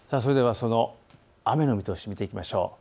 雨の見通しを見ていきましょう。